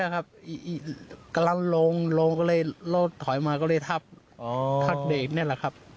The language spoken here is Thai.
กำลังลงลงก็เลยรถถอยมาก็เลยทับทับเบรกนี่แหละครับ